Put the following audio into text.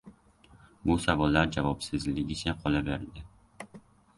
bu savollar javobsizligicha qolaverdi.